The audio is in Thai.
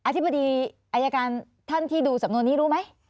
ธิบดีอายการท่านที่ดูสำนวนนี้รู้ไหม